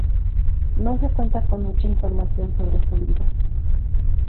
No se cuenta con mucha información sobre su vida.